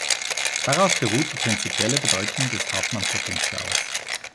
Darauf beruht die prinzipielle Bedeutung des Hartmann-Potentials.